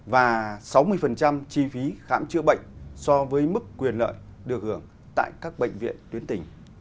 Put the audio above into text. và sáu mươi chi phí khám chữa bệnh so với mức quyền lợi được hưởng tại các bệnh viện tuyến tỉnh